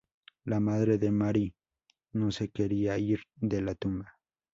La madre de Mary no se quería ir de la tumba.